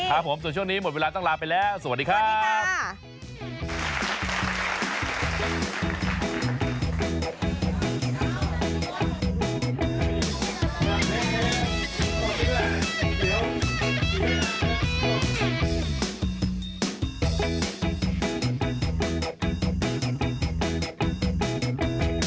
ครับผมส่วนช่วงนี้หมดเวลาต้องลาไปแล้วสวัสดีครับ